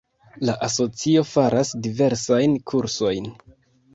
La asocio faras diversajn kursojn.